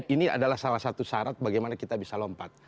ini adalah salah satu syarat bagaimana kita bisa lompat